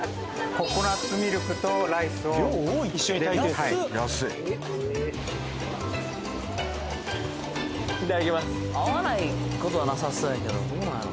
ココナッツミルクとライスを一緒に炊いてるはいいただきます合わないことはなさそうやけどどうなんやろ？